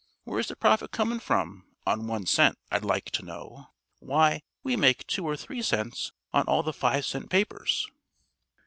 Where's the profit comin' from, on one cent, I'd like to know? Why, we make two or three cents on all the five cent papers."